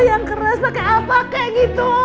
yang keras pakai apa kayak gitu